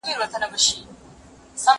هغه وويل چي اوبه څښل ضروري دي؟